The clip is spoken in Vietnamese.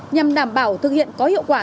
nhằm đảm bảo thực hiện có hiệu quả